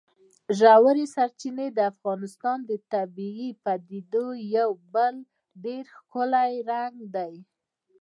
ژورې سرچینې د افغانستان د طبیعي پدیدو یو بل ډېر ښکلی رنګ دی.